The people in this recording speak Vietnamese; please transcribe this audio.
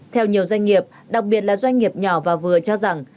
theo nhiều doanh nghiệp đặc biệt là doanh nghiệp nhỏ và vừa cho rằng